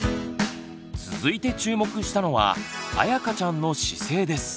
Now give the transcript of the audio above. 続いて注目したのは「あやかちゃんの姿勢」です。